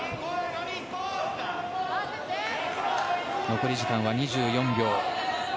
残り時間は２４秒。